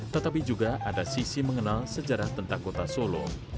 tetapi juga ada sisi mengenal sejarah tentang kota solo